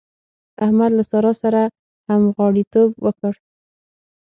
احمد له سارا سره همغاړيتوب وکړ.